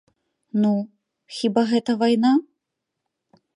Ну, хіба гэта вайна?